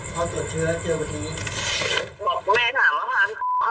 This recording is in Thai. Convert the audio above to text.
ไม่ใช่เหรอไล่พวกหนูออกจากบ้านอ่ะ